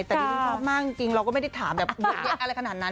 แต่ดีครับมากจริงเราก็ไม่ได้ถามอะไรขนาดนั้น